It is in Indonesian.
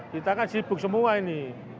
kita kan sibuk semua ini